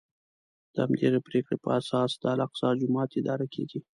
د همدغې پرېکړې په اساس د الاقصی جومات اداره کېږي.